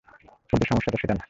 সমস্যাটা সেটা না!